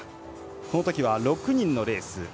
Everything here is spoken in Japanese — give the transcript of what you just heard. このときは６人のレース。